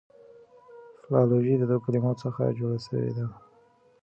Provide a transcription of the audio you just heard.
فلالوژي د دوو کلمو څخه جوړه سوې ده.